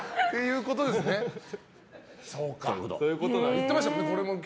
言ってましたもんね。